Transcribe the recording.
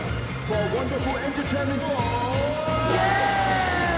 イエーイ！